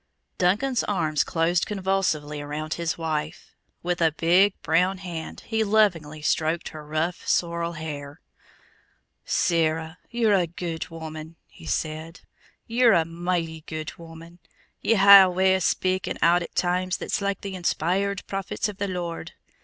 Duncan's arms closed convulsively around his wife. With a big, brown hand he lovingly stroked her rough, sorrel hair. "Sarah, you're a guid woman!" he said. "You're a michty guid woman! Ye hae a way o' speakin' out at times that's like the inspired prophets of the Lord.